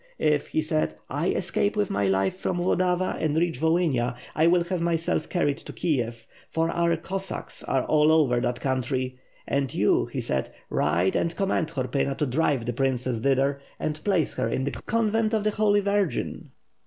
If,' he said, *I escape with my life from Vlo dava and reach Volhynia I will have myself carried to Kiev, for our Cossacks are all over that country. And you,* he said, 'ride and command Horpyna to drive the princess thither and place her in the convent of the Holy Virgin.'